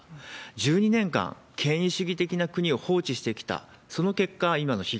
１２年間、権威主義的な国を放置してきた、その結果、今の被害。